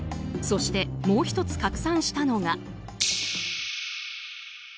そして、もう１つ拡散したのが。